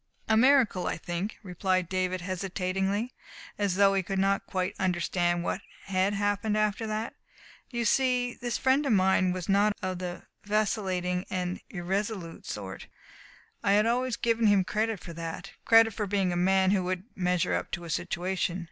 "A miracle, I think," replied David hesitatingly, as though he could not quite understand what had happened after that. "You see, this friend of mine was not of the vacillating and irresolute sort. I had always given him credit for that credit for being a man who would measure up to a situation.